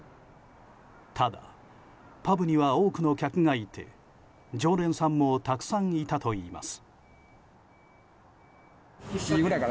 ただ、パブには多くの客がいて常連さんもたくさんいたといいます。